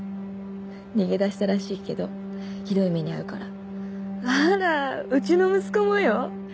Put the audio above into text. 逃げ出したらしいけどひどい目に遭うからあらうちの息子もよ